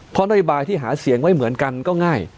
เพราะนโยบายที่หาเสียงไว้เหมือนกันก็ง่าย